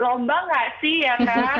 lomba gak sih ya kan